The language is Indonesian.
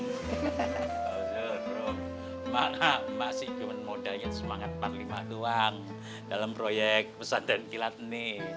fauzul rum mak masih cuma modalnya semangat parlima doang dalam proyek pesantren kilat ini